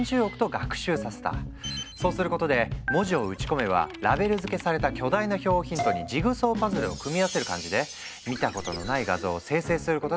そうすることで文字を打ち込めばラベル付けされた巨大な表をヒントにジグソーパズルを組み合わせる感じで見たことのない画像を生成することができるようになったんだ。